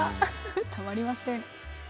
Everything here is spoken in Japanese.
たまりません。